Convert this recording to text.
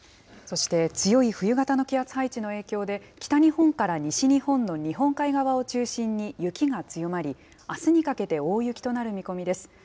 そして強い冬型の気圧配置の影響で、北日本から西日本の日本海側を中心に雪が強まり、あすにかけて大雪となる見込みです。